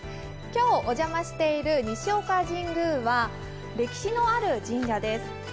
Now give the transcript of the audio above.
今日、お邪魔している西岡神宮は歴史のある神社です。